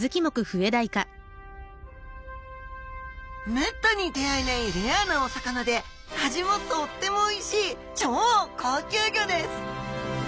めったに出会えないレアなお魚で味もとってもおいしい超高級魚です